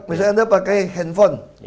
misalnya anda pakai handphone